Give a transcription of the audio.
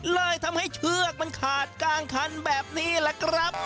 เลยทำให้เชือกมันขาดกลางคันแบบนี้แหละครับ